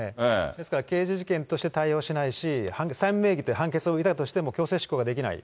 ですから刑事事件として対応しないし、判決を受けたとしても、強制執行ができない。